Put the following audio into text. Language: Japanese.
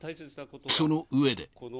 その上で。